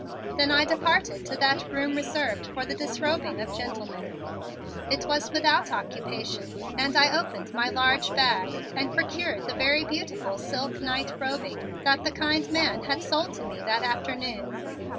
Then I departed to that room reserved for the disrobing of gentlemen. It was without occupation and I opened my large bag and procured the very beautiful silk night robing that the kind man had sold to me that afternoon.